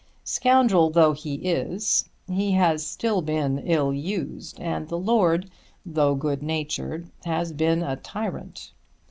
Scoundrel though he is, he has still been ill used; and the lord, though good natured, has been a tyrant.